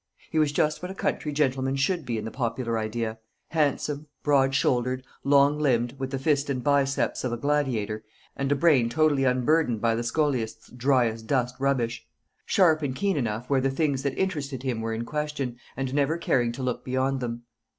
He was just what a country gentleman should be in the popular idea handsome, broad shouldered, long limbed, with the fist and biceps of a gladiator, and a brain totally unburdened by the scholiast's dry as dust rubbish: sharp and keen enough where the things that interested him were in question, and never caring to look beyond them.